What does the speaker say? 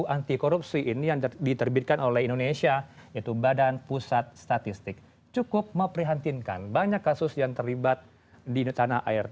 jadi korupsi ini yang diterbitkan oleh indonesia yaitu badan pusat statistik cukup memprihantinkan banyak kasus yang terlibat di tanah air